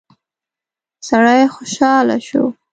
سړی خوشاله شو.